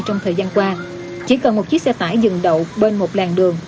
trong thời gian qua chỉ cần một chiếc xe tải dừng đậu bên một làng đường